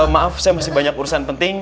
maaf saya masih banyak urusan penting